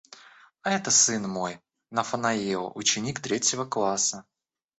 А это сын мой, Нафанаил, ученик третьего класса.